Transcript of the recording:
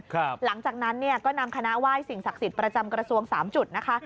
หลังจากนั้นเนี่ยก็นำคณะไหว้สิ่งศักดิ์สิทธิ์ประจำกระทรวงสามจุดนะคะ